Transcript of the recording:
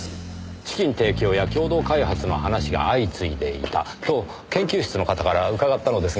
資金提供や共同開発の話が相次いでいたと研究室の方から伺ったのですが。